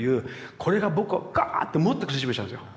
これが僕をガーンともっと苦しめちゃうんですよ。